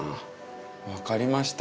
分かりました。